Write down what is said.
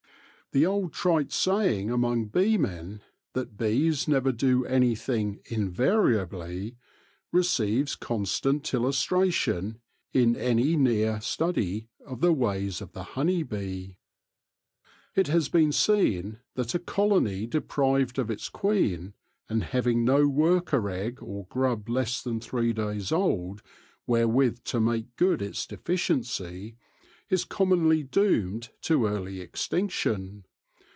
The old trite saying among beemen, that bees never do anything invariably, receives constant illustration in any near study of the ways of the honey bee. It has been seen that a colony deprived of its q ueen, and having no worker egg or grub less than three days old wherewith to make good its deficiency, is commonly doomed to early extinction.